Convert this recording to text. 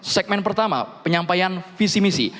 segmen pertama penyampaian visi misi